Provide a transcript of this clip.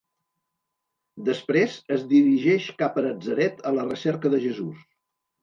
Després es dirigeix cap a Natzaret a la recerca de Jesús.